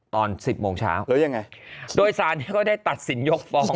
ตอนสิบโมงเช้าหรือยังไงโดยสานเนี่ยก็ได้ตัดสินยกฟ้อง